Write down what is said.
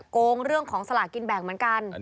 โกงเรื่องของสลากินแบ่งเหมือนกัน